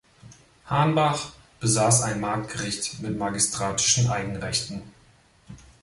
Hahnbach besaß ein Marktgericht mit magistratischen Eigenrechten.